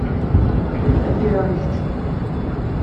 Telha tira i kečč.